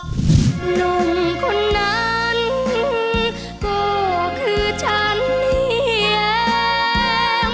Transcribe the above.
หนุ่มคนนั้นก็คือฉันเนี่ย